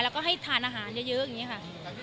แล้วก็ให้ทานอาหารเยอะอย่างนี้ค่ะ